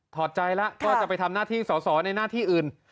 อดใจแล้วก็จะไปทำหน้าที่สอสอในหน้าที่อื่น